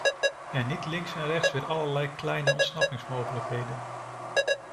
En niet links en rechts weer allerlei kleine ontsnappingsmogelijkheden!